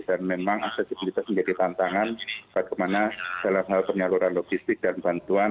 dan memang aksesibilitas menjadi tantangan bagaimana dalam hal penyaluran logistik dan bantuan